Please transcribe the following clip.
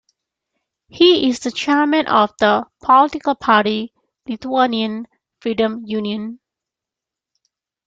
He is the Chairman of the political party Lithuanian Freedom Union.